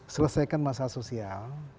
selesaikan masalah sosial